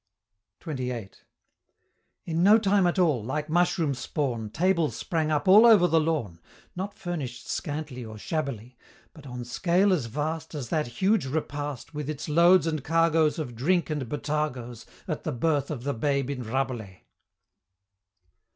XXVIII. In no time at all, like mushroom spawn, Tables sprang up all over the lawn; Not furnish'd scantly or shabbily, But on scale as vast As that huge repast, With its loads and cargoes Of drink and botargoes, At the Birth of the Babe in Rabelais.